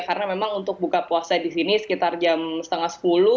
karena memang untuk buka puasa di sini sekitar jam setengah sepuluh